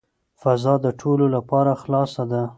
فضا د ټولو لپاره خلاصه ده.